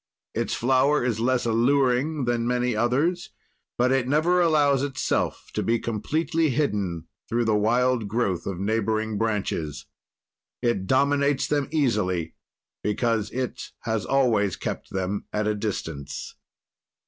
Its flower is less alluring than many others, but it never allows itself to be completely hidden through the wild growth of neighboring branches. It dominates them easily, because it has always kept them at a distance.